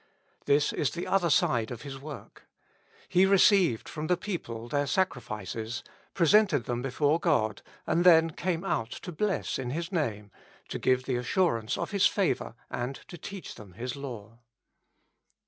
This is the other side of his work. He received from the people their sacrifices, presented them before God, and then came out to bless in His Name, to give the assurance of His favor and to teach them His law.